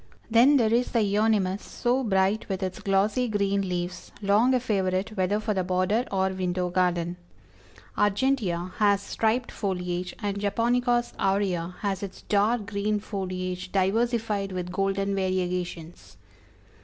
Then there is the Euonymus, so bright with its glossy green leaves, long a favorite whether for the border or window garden. Argentea has striped foliage, and Japonicas aurea has its dark green foliage diversified with golden variegations.